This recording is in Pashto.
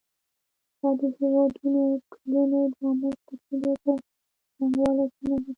دا د هېوادونو او ټولنو د رامنځته کېدو په څرنګوالي کې نغښتی.